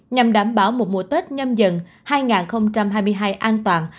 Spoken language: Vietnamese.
nhằm đảm bảo một mùa tết nhâm dần hai nghìn hai mươi hai an toàn